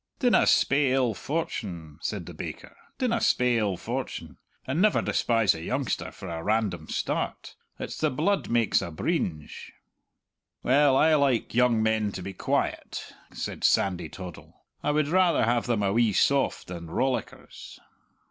"Dinna spae ill fortune!" said the baker, "dinna spae ill fortune! And never despise a youngster for a random start. It's the blood makes a breenge." "Well, I like young men to be quiet," said Sandy Toddle. "I would rather have them a wee soft than rollickers."